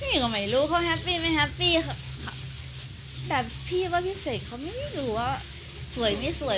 พี่ก็ไม่รู้เขาแฮปปี้ไหมฮัปปี้แต่พี่ก็พี่เศษเขาไม่รู้ว่าสวยไม่สวย